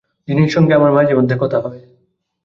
জিনের সঙ্গে আমার মাঝেমধ্যে কথা হয়।